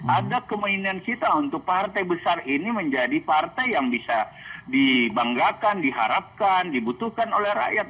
ada kemainan kita untuk partai besar ini menjadi partai yang bisa dibanggakan diharapkan dibutuhkan oleh rakyat